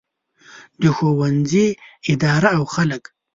د ښوونځي اداره او خلک.